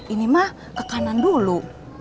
ini mah ke kanan dulu